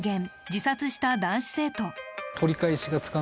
自殺した男子生徒。